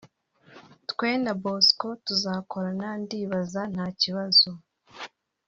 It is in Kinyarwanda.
twe na Bosco tuzakorana ndibaza ntakibazo